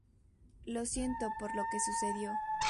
Lo siento por lo que sucedió.